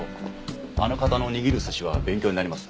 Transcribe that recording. あの方の握る寿司は勉強になります。